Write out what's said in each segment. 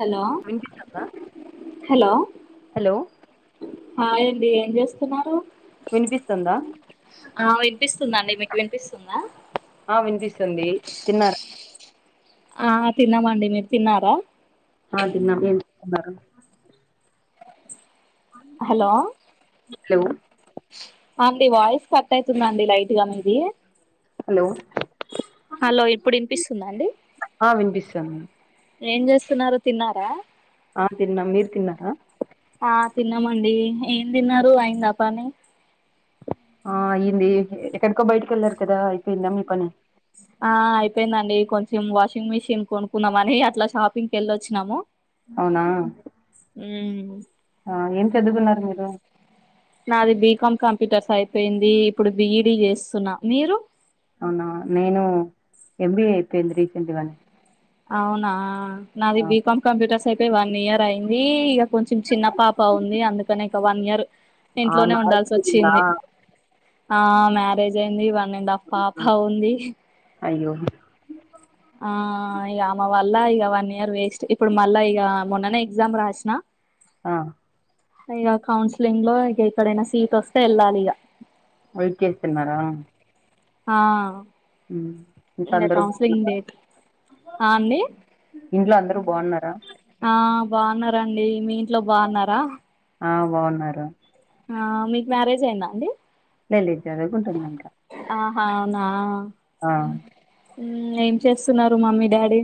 Hello వినిపిస్తుందా hello hello hi అండి ఏం చేస్తున్నారు వినిపిస్తుందా ఆ వినిపిస్తుందండి మీ వినిపిస్తుందా ఆ వినిపిస్తుంది తిన్నర ఆ తిన్నామండి మీరు తిన్నారా అదిన్నా ఏ హలో హలో అండి వాయిస్ కట్ అయితుందండి లైట్ గా మీది హలో హలో ఇప్పుడు వినిపిస్తుందండి ఆ వినిపిస్తుంది ఏం చేస్తున్నారు తిన్నారా ఆ తిన్న్నామ్ మీరు తిన్నారా ఆ తిన్నామండి ఏం తిన్నారు అయిందా పని ఆ అయిఇంది ఎక్కడికో బయటకి వెళ్లారు కదా అయిపోయిందా మీ పని ఆ అయిపోయిందండి కొంచెం వాషింగ్ మిషిన్ కొనుకున్నామని అట్లా షాపింగ్కి వెళ్ళొచ్చినాము అవునా ఉమ్ ఏం చదువుకున్నారు మీరు నాది బీకాం కంప్యూటర్స్ అయిపోయింది ఇప్పుడు బిఈడి చేస్తున్నా మీరు అవునా నేను ఎంబిఏ అయిపోయింది రీసెంట్గానే అవునా నాది బీకాం కంప్యూటర్స్ అయి తే వన్ ఇయర్ అయింది ఇక కొంచెం చిన్న పాప ఉంది అందుకనే ఇక వన్ ఇయర్ ఆ ఇంట్లోనే మ్యారేజ్ ఉండాల్సి అయిందా వచ్చింది ఆ మ్యారేజ్ అయింది వన్ అండ్ హఫ్ పాప అవునా. ఉంది అయ్యో ఆ ఇక అమె వల్ళ ఇక వన్ ఇయర్ వేస్ట్ ఇప్పుడు మళ్ళా ఇక మొన్ననే ఎగ్జామ్ రాసిన ఆ ఇక కౌన్సిలింగ్ లో ఇక ఇక్కడైనా సీట్ వస్తే వెళ్ళాలి ఇక వెయిట్ చేస్తున్నారా ఆ ఉంఇంట్లో ఇక కౌన్సిలింగ్ అందరుబాగున్నరా డేట్ ఆ అండి ఇంట్లో అందరు బాగున్నరా ఆ బాగున్నారండి మీ ఇంట్లో బాగున్నారా ఆ బాగున్నరు ఆ మీకు మ్యారేజ్ అయిందా అండి లే లేదు చదువు కుంటున్న ఇంకా ఆహా అవునా ఆ మ్మ్ ఏం చేస్తున్నరు మమ్మీ డాడీ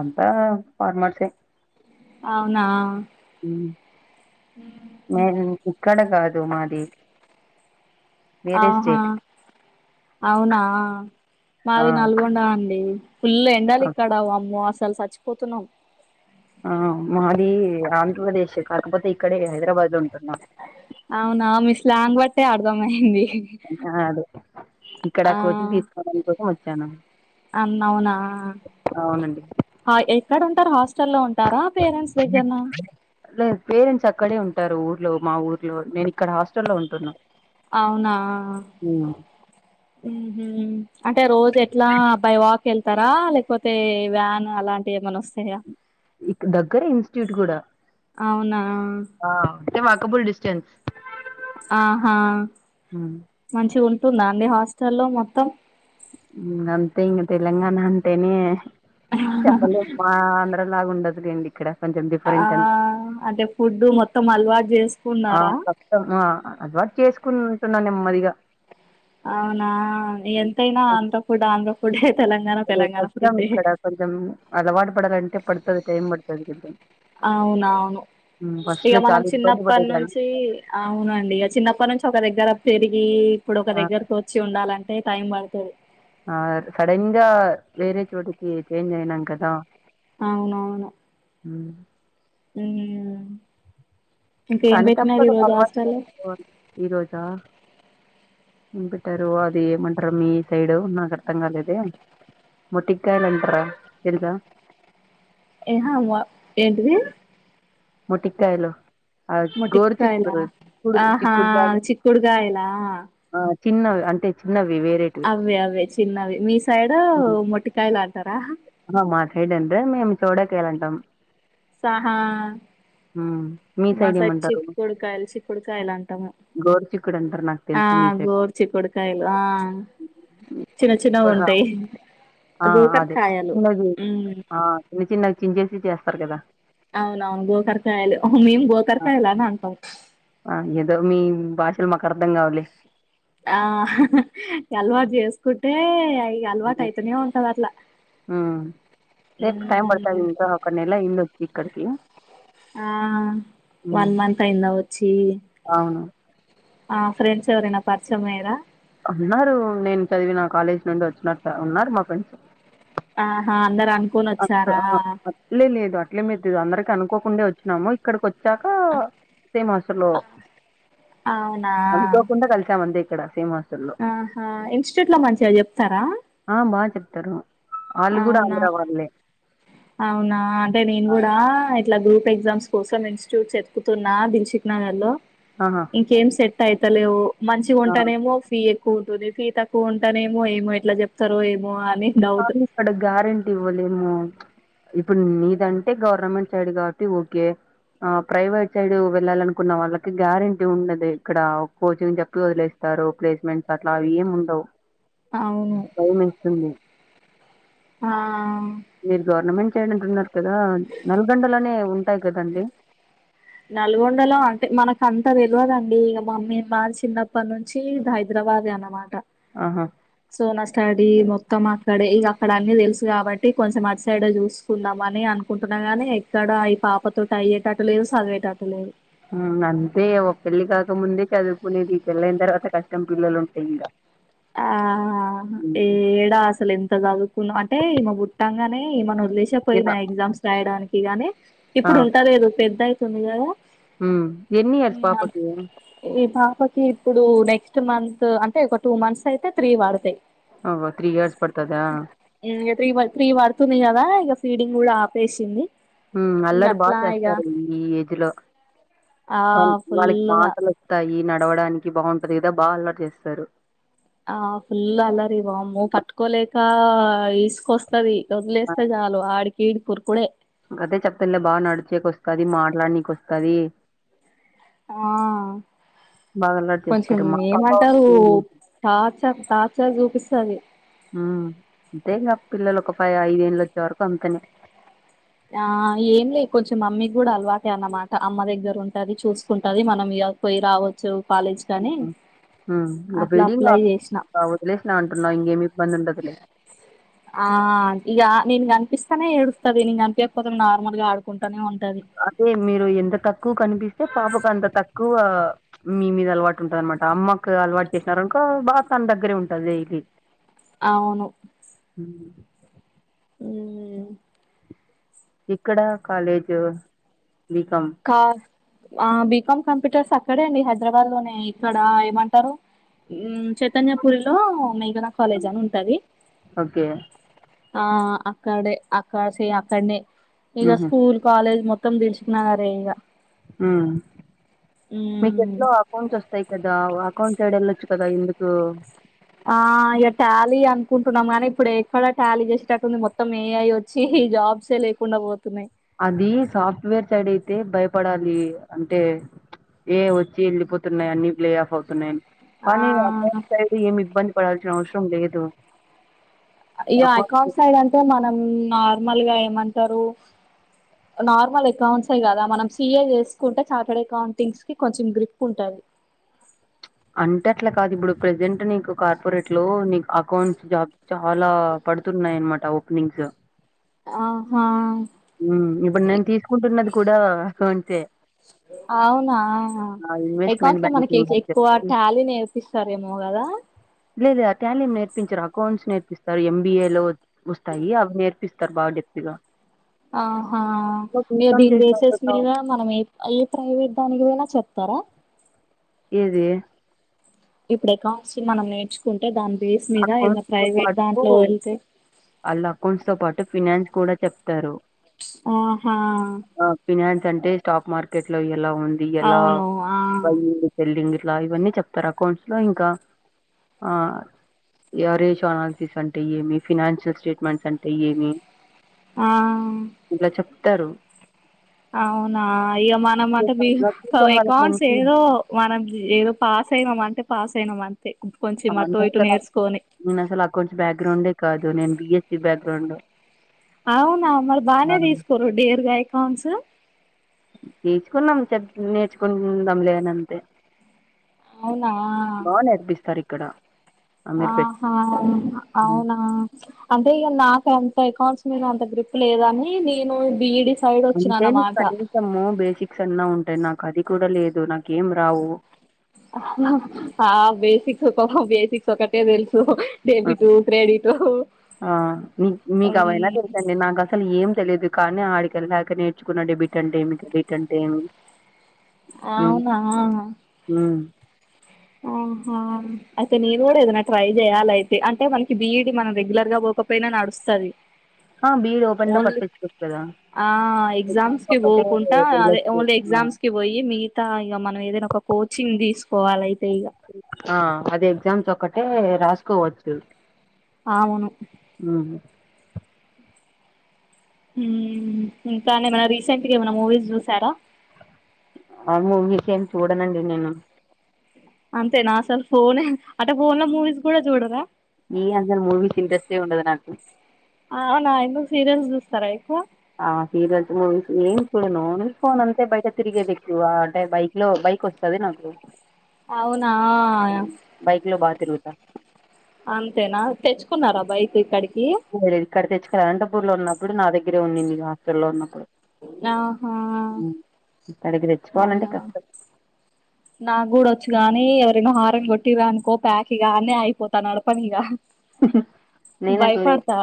అంతా ఫార్మసీ అవునా ఉం ఇక్కడ కాదు మాది వేరే అహా స్టేట్ అవునా ఆ మాది నల్గొండ అండి ఫుల్ ఎండలు ఓకే ఇక్కడ వామ్మో అసలు సచ్చి పోతున్నాం ఆ మాది ఆంధ్రప్రదేశ్ కాకపోతే ఇక్కడ హైదరాబాద్ ఉంటు అవునా మీ స్లాంగ్ బట్టే అర్ధమయింది అంతా అదే ఇక్కడ కోచింగ్ తీసుకోవడం కోసం వచ్చాను అన్న అవునా అవునండి ఎక్కడ ఉంటరు హాస్టల్ లో ఉంట లేదు పేరెంట్స్ అక్కడే ఉంటరూ లో మా ఊర్లో నేను ఇక్కడ హాస్టలో ఉంటున్న అవునా మ్మ్ హ్మ్ అంటే రోజు ఎట్లా బై వాక్ వెళ్తరా లేకపోతే వ్యాన్ అలాంటివి ఏమన్నా వస్తాయా ఇక్ దగ్గరే ఇన్స్టిట్యూట్ కూడా అవునా అ వాకబుల్ డిస్టెన్స్ అ హా హ్మ్. మంచి ఉంటుందా అండి హాస్టల్లో మొత్తం అంతే ఇంగ తెలంగాణ అంటేనే చెప్పలేం మా ఆంధ్ర లాగా ఉండదు లెండి ఇక్కడ కొంచెం ఆ డిఫరెంట్ అంత అంటే ఫుడ్ మొత్తం అలవాటు అ చేసుకున్నారా కష్టం అలవాటు చేసుకుంటున్నాను నెమ్మదిగా అంత ఫుడ్ ఆంధ్ర ఫుడే తెలంగాణ కొద్ది గ తెలంగాణ కష్టం ఫుడ్డే ఇక్కడ కొంచెం అలవాటు పడాలంటే పడుతది టైం పడుతుంది కొంచెం అవునవును ఫస్ట్ ఇక లో మనం చాలా ఇబ్బంది చిన్నప్పటి పడేదాన్ని నుంచి అవునండి చిన్నప్పటి నుంచి ఒక దగ్గర పెరిగి ది ఇప్పుడు ఒక ఆ దగ్గరకు వచ్చి ఉండాలంటే టైం పడతది ఆ సడన్గా వేరే చోటికి చేేంజ్ అయినాం కదా అవునవును ఉం ఉమ్ ఇంకేం కానీ పెట్టినారు తప్పుదు ఈరోజు అలవాటు హాస్టల్లో చేసుకోవాలి ఈ రోజా ఏం పెట్టారు అది ఏమంటరు మీ సైడు నాకు అర్థం కాలేదే మొటి కాయలు అంటరా తెలుసా ఏహా వ ఏంటిది మొటికాయలు అ గోరు మొటిక్కాయలా చిక్కుడు ఆహా చిక్కుడు లాగా చిక్కుడుకాయలా చిన్నవి అంటే చిన్నవి వేరేటివి అవే అవే చిన్నవి మీ సైడ్ మొటికాయలు అంటారా హదండ మేము చౌదేకాయల్ అంటాము ఆ మీ సైడ్ మసారి ఏమంటారు చిక్కుడుకాయలు చిక్కుడుకాయలు అంటాము గోరు చిక్కుడు అంటారు నాకు ఆ తెలిసి మీ సైడ్ గోరు చిక్కుడుకాయలు ఆ చిన్న చిన్న కూడా ఉంటాయి ఆ గోకర అదే కాయలు చిం చేేసి చేస్తారు కదా అవున అవును గోకర్కాయలు మేం ఆ గోకర్కాయలా అని అంటాం ఆ మీ భాషలు మాకు అర్థం కావా లే ఆ ఎల్వ జేస్కుంటే ఈ అల్వాటుయిత నేయ్ వుంటాధి అట్లా సేప్ టైం బర్తా ఉమ్ ఇంకా ఒక నెలా ఇండోతు ఇక్కడకి ఆ వన్ మంత్ అయిందా వచ్చి అవును ఆ ఫ్రెంస్వరేనా పరిచమయ య్యిరా అన్నారు నేను చదివిన కాలేజీ నుండి వచ్చిన ఉన్నారు మా ఫ్రెండ్స్ అహా అందరు అనుకుంతర్ అలే లేదు అట్లే మీరు అందరికి అనుకోకుండా వచ్చాము ఇక్కడికి వచ్చా వచ్చాక సింహస లో అవునా అందుకోకుండా కలిసాం అందు ఇక్కడ ఫేమస్ ఆహా ఇన్స్టిట్యూట్ లో మంచిగా చెప్తారా ఆ బా చెప్తారు వాళ్ళు కూడా అవునా ఆంధ్ర వాళ్ళే అవునా అంటే నేను ఆ! కూడా ఇట్లా గూ ఎగ్జామ్స్ కోసం ఇన్స్ట్యూట్స్ ఎతుకుతున్నా దిల్‌శుబ్‌నగర్ లో ఆహా ఇంకేం అయిత లేవు మంచిగా ఆ! ఉంటానేమో ఫీ తక్కువ ఉంటుంది ఫీ తక్కువ ఉంటానేమో ఏమో ఎట్లా చెప్తారో ఏమో అని డౌట్ కానీ ఇక్కడ గ్యారెంటీ ఇవ్వలేము ఇప్పుడు నీదంటే గవర్నమెంట్ సైడ్ కాబట్టి ఓకే ఆ ప్రైవేట్ సైడ్ వెళ్ళాలనుకున్న వాళ్ళకి గ్యారెంటీ ఉండది ఇక్కడ కోచింగ్ చెప్పి వదిలేస్తారు ప్లేస్మెంట్స్ అట్లా అవి ఏం ఉండవు అవును బయాం ఇస్తుంది ఆ మీరు గవర్నమెంట్ చేయడంటున్నారు కదా నల్గొండలోనే ఉంటాయి కదండి నల్గొండలో అంటే మనకు అంత తెలువదండి ఇగ మమ్మీ వాల్ మా చిన్నప్పటి నుంచి హైదరాబా దే అన్నమాట ఆహా సో నా స్టడి మొత్ త్తం అక్కడే ఇగ అక్కడ అన్ని తెలుసు కాబట్టి కొంచెం అటు సైడ్ చూసుకుందాం అని అనుకుంటున్నా గాని ఎక్క డ ఈ పాపతోటి అయ్యేటట్టు లేదు చదివేటట్టు లేదు అంతే ఒ పెళ్ళి కాక ముందే చదువుకునేది పెళ్ళైన తర్వాత కష్టం పిల్లలు ఉంటే ఇంగ ఆ అ ఏడా అసలు ఎంత చదువుకున్నాం అంటే ఇమ పుట్టంగానే ఏమనోదిలేసే ఇగ పోయినా ఎగ్జామ్స్ రాయడానికి గాని ఆ ఇప్పుడు ఉంట లేదు పెద్ద అయితుంది కదా మ్ ఎన్ని ఇయర్స్ పాపకి పకి ఇప్పుడు నెక్స్ట్ మంత్ అంటే ఒక టూ మంత్స్ అయితే త్రీ పడుతయ్ ఒ త్రీ ఇయర్స్ పడుతదా ఇక త్రీ త్రీ పడుతుంది కదా ఇగ ఫీడింగ్ కూడా ఆపేసింది మ్ ఇంక అల్లరి బాగా అట్లా ఇక చేస్తారు ఈ ఏజ్ లో ఆ వా వాళ్ళకి ఫుల్లుగా మాటలోస్తాయి నడవడానికి బాగుంటది కదా బాగా అల్లరి చేస్తారు ఆ ఫుల్ అల్లరి వామ్మో పట్టుకోలేక ఈసుకొస్ స్తది వదిలేస్తే చాలు ఆడికిడికి ఉరు కూడే గతే చెప్తల్లో బాగా నడుచేకొస్తంది మాట్లాడనీకొస్తది ఆ బాగా అల్లరి కొంచెం చేస్తారు మా పాప ఏమంటారు సేమ్ ఏజ్ టచ్ టార్చర్ చూపిస్తది మ్ అంతేగా పిల్లలు ఒక పై ఐదేళ్ళోచ్చే వరకు అంతనే ఆ ఏం లే కొంచెం మమ్మీకి కూడా అలవాటే అన్నమాట అమ్మ దగ్గర ఉంటది చూసుకుంటది మనం ఇగ పోయి రావచ్చు కాలేజ్ కానీ ఆ ఇంగ ఫీడింగ్ అప్ వదిలేసినా అంటున్నావు ఇంగేమి ఇబ్బంది ఉండదులే ఆ ఇగ నేను కనిపిస్తానే ఏడుస్తది నీను కనిపియకపోతే నార్మల్గా ఆడుకుంటానే ఉన్ అదే మీరు ఎంత తక్కువ కనిపిస్తే పాపకు అంత తక్కువ మీ మీద అలవాటు ఉంటది అనమాట అమ్మకు అలవాటు చేసినారనుకో బాగా తన దగ్గరే ఉంటది డైలీ అవును మ్ మ్ ఇక్కడ కాలేజు కా ఆ బీకాం కంప్యూటర్స్ అక్కడే అండి హైదరాబాద్ లోనే ఇక్కడ ఏమంటారు మ్ చైతన్యపుూరిలో మేఘనా కాలేజ్ అని ఉంటది ఓకే ఆ అక్కడే అక్క సి అక్కడనే ఇగ ఉహు స్కూల్ కాలేజ్ మొత్తం దిల్సుఖ్నగర్ నే ఇగ మ్ మీకు మ్ ఎట్లా అకౌంట్స్ వస్తాయి కదా వ అకౌంట్ సైడ్ ఎళ్ళోచ్చు కదా ఎందుకు ఆ ఇగ ట్యాలీ అనుకుంటున్నాం గానీ ఇప్పుడు ఎక్కడ ట్యాలీ చేసేటట్టుంది మొత్తం ఏఐ వచ్చి ఈ జాబ్సే లేకుండా పోతున్నాయ్ అది సాఫ్ట్వేర్ సైడ్ అయితే భయపడాలి అంటే ఏ వచ్చి వెళ్ళిపోతున్నాయ్ అన్నిీ ళ్ళే ఆఫ్ అవుతున్నాయ్ ఆ కానీ అకౌంట్ సైడ్ ఏమి ఇబ్బంది పడాల్సిన అవసరం లేదు ఈగ అకౌంట్స్ అకౌంట్ సైడ్ అంటే మనం నార్మల్గా ఏమంటారు నార్మల్ అకౌంట్స్ ఏ కదా మనం సీఏ చేసుకుంటే చార్టెడ్ అకౌంటింగ్స్ కి కొంచెం గ్రిప్ ఉంటది అంటే అట్లా కాదు ఇప్పుడు ప్రజెంట్ నీకు కార్పొరేట్ లో నీకు అకౌంట్స్ జాబ్స్ చాలా పడుతున్నాయనమాట ఓపెనింగ్స్ ఆహా ఇప్పుడు నేను తీసుకుంటున్నది కూడా అకౌంట్ ఏ అవునా ఇన్వెస్ట్‌మెంట్ అకౌంట్స్ లో మనకి ఎ బ్యాంకింగ్ అని ఎక్కువ చెప్పి ట్యాలీ నేర్పిస్తారేమొ కదా లేద ఆ టాలిం నేర్పించారు అకౌంట్స్ నేర్పిస్తారు ఎంబీఏ లో వస్తాయి అవి నేర్పిస్త బాగా జప్తుగా ఆహా ఇక దీని బసెస్ చేసినోళ్ళతో మీద మనం ఏ ఏ ప్రైవేట్ దానినికి పోనా చెప్ తర ఏది ఇప్పుడు అకౌంట్స్ మనం నేర్చుకుంటే దానికి అకౌంట్స్ తో పాటు వాళ్ళ అకౌంట్స్ తో పాటు ఫినన్స్ కూడా చెప్తారు ఆహా ఆ! ఫినాన్స్ అంటే స్టాక్ మార్కెట్ లో ఎలా ఉంది ఎలా అవును ఆ అయింది సెల్ంగ్ పావన్నీ చెప్తారు అకౌంట్స్ లో ఇంకా ఆ ఎవరేజ్ అనాలిసిస్ అంటే ఏమి ఫైనాన్షియల్ స్టేట్మెంట్స్ అంటే ఏమి ఆ తరు అవునా ఇక మన అంట బి చూసాం వాళ్ళకి అకౌంట్స్ మంచి ఏదో మనం ఏదో పాస్ సేమ్మంటే పాస్ అయినాం అంతే కొంచెం నేను అటు ఇటు అసలు నేర్చుకొని నేను అసలు ఆ కొంచెం బ్యాక్గ్రౌండే కాదు నేను బిఎస్స బ్యాగ్రౌడ్ అవునా మరి బాగానే తీసుకోరు డెరగా అకౌట్స్ నేర్చుకుంటందాం లేదనింతే అవునా అక్కడ ఆహా అవునా అంటే ఈ నాక ఏకాన్స్ మీద అంత గ్రిప్ లేదని నేను బిఈడి సైడ్ వచ్చినా అంతే నీకు అన్నమాట కనిసము బేసిక్స్ అన్నా ఉంటాయి నాకు అది కూడా లేదు నాకు బేసిక్స్ ఒక బేసిక్స్ ఒక ఒకటే తెలుసు డెబిట్ క్రెడిట్ [unintelligible] ఆ నీ మీకు అవైనా తెలుసండి నాకు అసలు ఏం తెలిదు కానీ ఆడిక వెళ్ళక నేర్చుకున్నాడుడబిట్ంటే ఏమి బీట్ంటే ఏమి ఉ అవునా ఉ ఉ అయితే నేను కూడా ఏదనా ట్రై చేయాలి అయితే అంటే మనకి బిఈడి మనం రెగ్యులర్ గా పోకపోయినాడు వస్తుంది ఆ బీడ్ ఓపెన్ లో కట్టించు కదా ఆ ఎగ్జామ్స్ కి ఒక్కటే పోకుండా అదే వెళ్ళొచ్చు ఓన్లీ ఆ ఎగ్జామ్స్ కి పోయి మిగతా ఇ మనం ఏదైనా ఒక కోచింగ్ తీసుకోవాలయితే ఇక ఆ అది ఎగ్జామ్స్ ఒక్కటే రాసుకోవచ్చు అవును ఉమ్ ఇంకానే ఏమ రీసెంట్ గా ఏమనా మూవీస్ చూసారా ఆ మూమిస్ఏమి చూడనండి నేను అంతే నా ఆసలు ఫోన్ అంట ఫోన్ లో మూవీస్ కూడాడా జోడరా ఏ అజల్ మూవిస్ ఇండ్రస్ట్రే ఉండది నాకు అవునా ఎందుకు సీరియల్స్ చుస్తార ఎక్కువ ఆ సీరియల్స్ మూవీస్ ఏన్ చూడును నికోన్ అంతే బయట తిరిగే బ ఆ అడే బైక్ లో బైక్ వస్తది నాకు అవునా బైక్ లో బాగా తిరుగుతా అంతేనా తెచ్చుకున్నారా బైక్ ఇక్కడికి దు ఇక్కడ తెచ్చు క అనంతపూర్ లో ఉన్నప్పుడు నా దగ్గరే ఉంది మీ హాస్ట లో ఉన్నప్పుడు ఆహా హ్మ్. ఇక్కడికి తెచ్చుకోవాలంటే అవునా కష్టం నా గూడ వచ్చు గాని ఎవరైనా హారన్ కొట్టిరనుకో ప్యాకిగానే అయిపోతాను నడపనిగా. ఉహు నేను అట్లా లేవ్ భయపడతా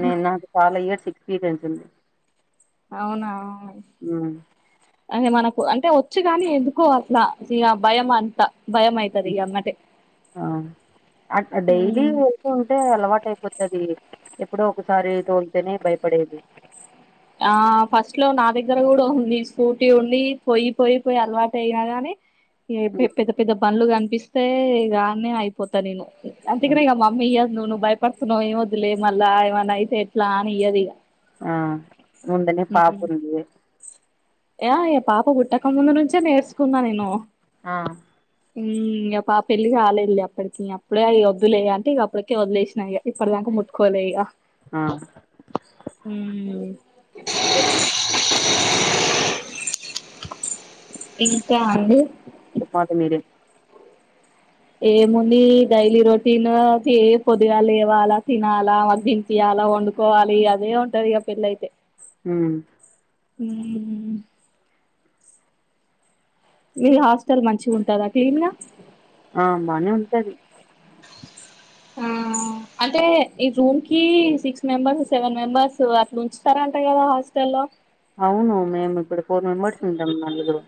నే నాకు చాలా ఇయర్స్ సిక్స్ ఫీట్ అంటుంది అవునా అదే మనకు అంటే వొచ్చుగాని ఎందుకొ అట్లా సిగ భయం అంతా. మైతది హ్మ్. ఇగ అమ్మటే ఆ అట్ డైలీ వొ వొస్తుంటే అలవాటు అయిపోతది ఎప్పుడో ఒక సారే తోల్తేనే భయపడేది ఆ ఫస్ట్ లో నా దగ్గర కూడా ఉంది స్కూటీ ఉండి పోయి పోయి పోయి అలవాటు అయినా గాని. హ్మ్. పెద్ద పెద్ద బండ్లు కనిపిస్తే గాన్నే అయిపోతా నేను అందుకని అవును. ఇక మమ్మీ నువ్వును భయపడుతున్నావ్ ఏమి వద్దులే మళ్ళా ఏమన్నా అయితే ఎట్లా అని ఇయ్యదు ఇగా. ఆ ముందనే పాపుంది [unintelligible] పాప పుట్టక ముందు నుంచే నేర్చుకున్నా నేను. ఆ ఉ ఇంక పాప పెళ్లి కాలేదులే అప్పటికిీ అప్పుడే అవి వద్దులే అంటే ఇక అప్పటికే వద్లేసినా ఇక ఇప్పటి దాం ముట్టుకొలే ఇగా ఆ! ఇంకేంటి ఇంకా అండి చొప్పాలి మీరే ఏముంది డైలీ రొటీను తీ పొద్దుగాలా లేవాలా తినాలా వాళ్లకి తినిపియాలా. అలా వండుకోవాలి అదే ఉంటది ఇగ పెళ్ళయితే ఉ ఉ మీరు హాస్టల్ మంచిగా ఉంటాదా క్లీన్ గా ఆ బానే ఉంటది ఆ ఆ అంటే ఈ రూమ్ కి సిక్స్ మెంబర్స్ సెవెన్ మెంబర్స్ అట్లా ఉంచుతారంటా కదా హాస్టల్లో. అవును మేమ్ ఇప్పుడు ఫోర్ మెంబర్స్ ఉంటమ్ నలుగురు